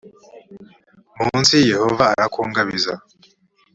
munsi yehova arakungabiza